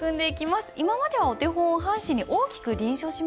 今まではお手本を半紙に大きく臨書しました。